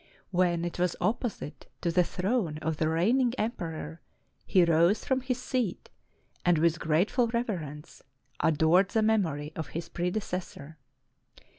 When it was opposite to the throne of the reigning emperor, he rose from his seat, and with grateful reverence, adored the memory of his predecessor.